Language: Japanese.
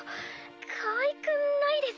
かわいくないですか？